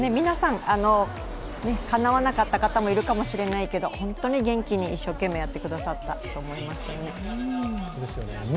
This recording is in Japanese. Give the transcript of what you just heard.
皆さん、かなわなかった方もいるかもしれないけど、本当に元気に一生懸命やってくださったと思いますね。